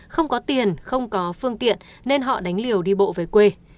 không có tiền không có phương tiện nên họ đánh liều đi bộ về quê